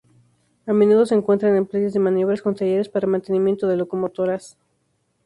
A menudo se encuentran en playas de maniobras con talleres para mantenimiento de locomotoras.